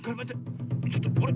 ちょっとあれ？